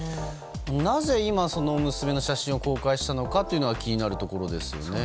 なぜ今、その娘の写真を公開したのかというのが気になるところですよね。